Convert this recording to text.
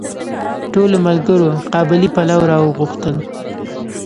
ټولو ملګرو قابلي پلو راوغوښتل.